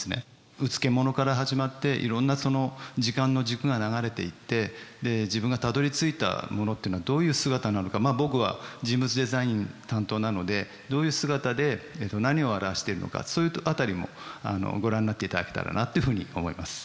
うつけ者から始まっていろんな時間の軸が流れていってで自分がたどりついたものっていうのはどういう姿なのかまあ僕は人物デザイン担当なのでどういう姿で何を表しているのかそういう辺りも御覧になっていただけたらなっていうふうに思います。